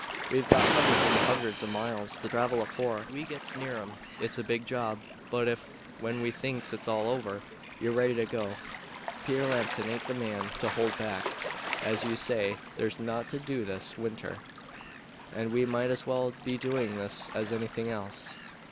We've got hundreds and hundreds of miles to travel afore we gets near 'em. It's a big job; but if, when ye thinks it all over, you're ready to go, Peter Lambton aint the man to hold back. As you say, there's naught to do this winter, and we might as well be doing this as anything else."